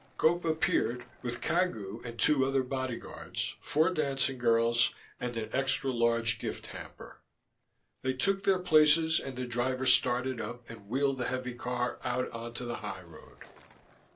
Gope appeared, with Cagu and two other bodyguards, four dancing girls, and an extra large gift hamper. They took their places and the driver started up and wheeled the heavy car out onto the highroad.